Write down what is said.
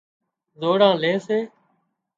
زوڙان لي سي